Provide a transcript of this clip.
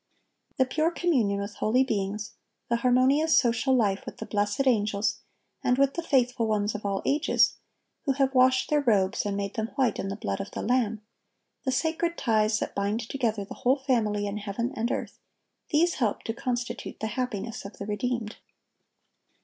The pure communion with holy beings, the harmonious social life with the blessed angels and with the faithful ones of all ages, who have washed their robes and made them white in the blood of the Lamb, the sacred ties that bind together "the whole family in heaven and earth,"(1193)—these help to constitute the happiness of the redeemed.